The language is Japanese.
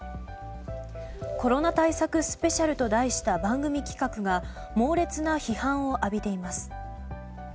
「コロナ対策スペシャル」と題した番組企画が猛烈な批判を浴びています。